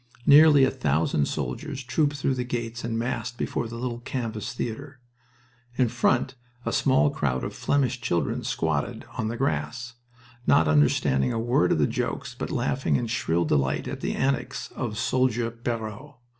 Nearly a thousand soldiers trooped through the gates and massed before the little canvas theater. In front a small crowd of Flemish children squatted on the grass, not understanding a word of the jokes, but laughing in shrill delight at the antics of soldier Pierrots.